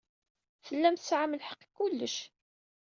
Tellam tesɛam lḥeqq deg kullec.